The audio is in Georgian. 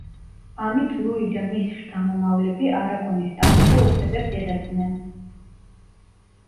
ამით ლუი და მის შთამომავლები არაგონის ტახტზე უფლებებს იღებდნენ.